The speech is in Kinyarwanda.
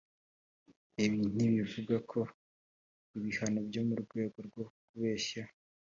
ibi ntibivugako ibihano byo mu rwego rwo kubeshya